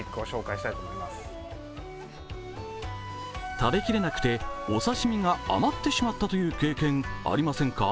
食べきれなくて、お刺身が余ってしまったという経験ありませんか？